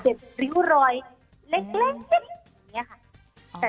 ิดริ้วรอยเล็กแบบนี้ค่ะ